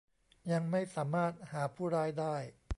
ยังไม่สามารถหาผู้ร้ายได้